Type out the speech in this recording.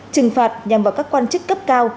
trừng phạt nhằm vào các quan chức cấp cao